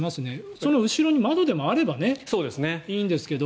その後ろに窓でもあればいいんですけど。